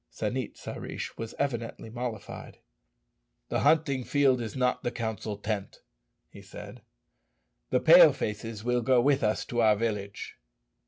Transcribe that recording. San it sa rish was evidently mollified. "The hunting field is not the council tent," he said. "The Pale faces will go with us to our village."